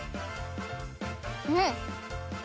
うん！